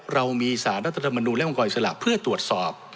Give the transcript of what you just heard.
เรามีสารรัฐธรรมนูลและองครอิสระเพื่อตรวจสอบ